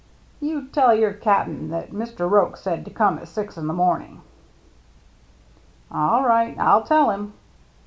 "You tell your cap'n that Mr. Roche said to come at six in the mornin'." "All right. I'll tell him.